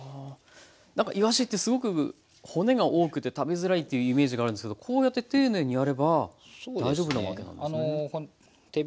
なんかいわしってすごく骨が多くて食べづらいっていうイメージがあるんですけどこうやって丁寧にやれば大丈夫なわけなんですね。